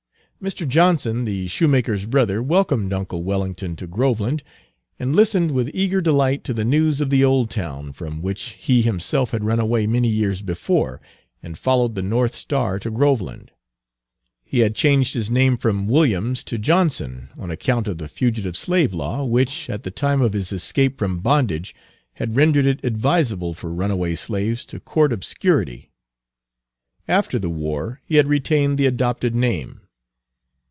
Mr. Johnson, the shoemaker's brother, welcomed uncle Wellington to Groveland, and listened with eager delight to the news of the old town, from which he himself had run away many years before, and followed the North Star to Groveland. He had changed his name from "Williams" to "Johnson," on account of the Fugitive Slave Law, which, Page 231 at the time of his escape from bondage, had rendered it advisable for runaway slaves to court obscurity. After the war he had retained the adopted name.